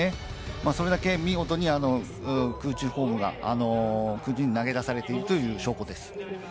それだけ見事に空中フォームが投げ出されている証拠です。